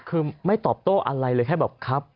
คือไม่ตอบโต้อะไรเลยแค่แบบครับ